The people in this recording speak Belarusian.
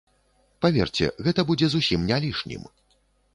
Паверце, гэта будзе зусім не лішнім.